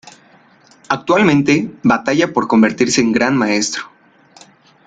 Actualmente batalla por convertirse en Gran Maestro.